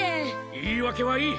言い訳はいい。